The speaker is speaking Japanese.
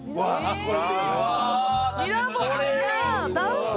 これ。